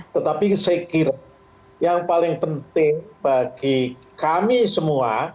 tetapi saya kira yang paling penting bagi kami semua